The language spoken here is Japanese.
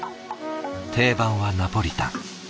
定番はナポリタン。